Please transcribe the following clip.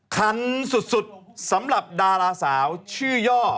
คันสุดสำหรับดาราสาวชื่อย่อ